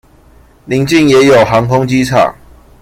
鄰近也有航空機場